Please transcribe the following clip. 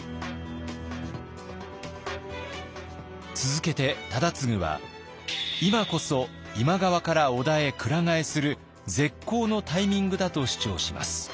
続けて忠次は今こそ今川から織田へくら替えする絶好のタイミングだと主張します。